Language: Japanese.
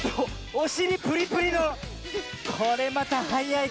おしりプリプリのこれまたはやい。